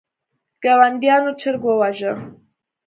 ګاونډیانو چرګ وواژه.